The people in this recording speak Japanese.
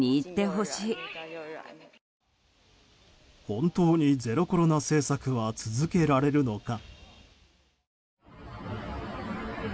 本当にゼロコロナ政策は続けられるのか。